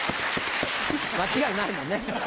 間違いないもんね。